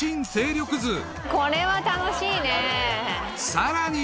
［さらに］